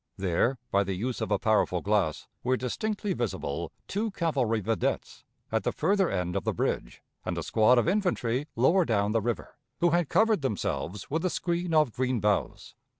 There, by the use of a powerful glass, were distinctly visible two cavalry videttes at the further end of the bridge, and a squad of infantry lower down the river, who had covered themselves with a screen of green boughs.